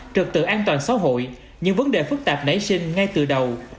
trực tự an toàn xã hội những vấn đề phức tạp nảy sinh ngay từ đầu